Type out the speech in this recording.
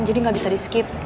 jadi nggak bisa di skip